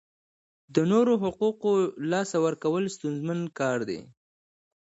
د نورو حقوقو لاسه ورکول ستونزمن کار دی.